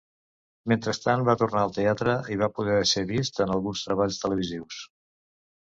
Mentrestant, va tornar al teatre i va poder ser vist en alguns treballs televisius.